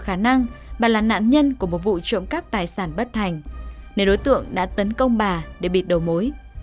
khả năng bà là nạn nhân của một vụ trộm cắp tài sản bất thành nên đối tượng đã tấn công bà để bịt đầu mối